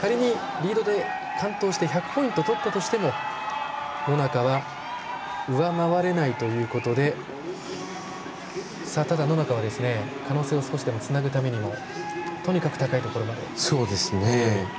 仮にリードで完登して１００ポイント取ったとしても野中は、上回れないということでただ、野中は可能性を少しでも、つなぐためにもとにかく高いところまで。